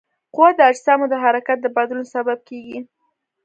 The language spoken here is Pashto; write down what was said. قوه د اجسامو د حرکت د بدلون سبب کیږي.